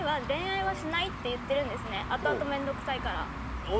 後々面倒くさいから。